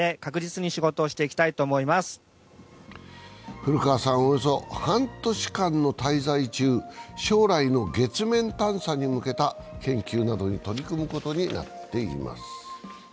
古川さん、およそ半年間の滞在中、将来の月面探査に向けた研究などに取り組むことになっています。